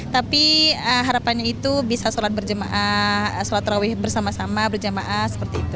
tapi harapannya itu bisa sholat berjemaah sholat rawih bersama sama berjamaah seperti itu